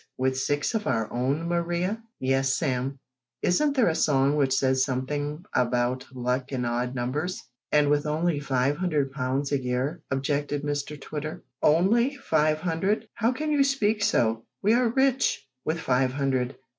with six of our own, Mariar?" "Yes, Sam. Isn't there a song which says something about luck in odd numbers?" "And with only 500 pounds a year?" objected Mr Twitter. "Only five hundred. How can you speak so? We are rich with five hundred.